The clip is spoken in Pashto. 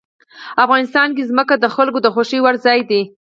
افغانستان کې ځمکه د خلکو د خوښې وړ ځای دی.